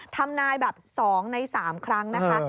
ทำนายแบบ๒ใน๓ครั้งนะคะ